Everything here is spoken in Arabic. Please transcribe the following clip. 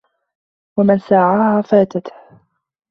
وَمَنْ سَاعَاهَا فَاتَتْهُ